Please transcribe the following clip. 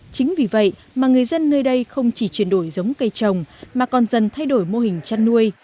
chính vì vậy mà người dân nơi đây không chỉ chuyển đổi giống cây trồng mà còn dần thay đổi mô hình chăn nuôi